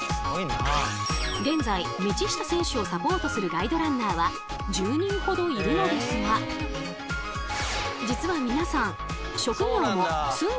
現在道下選手をサポートするガイドランナーは１０人ほどいるのですが実は皆さん職業も住んでいる地域もバラバラ。